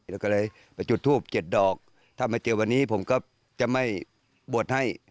แล้วก็เลยไปจุดทูป๗ดอกถ้ามาเจอวันนี้ผมก็จะไม่บวชให้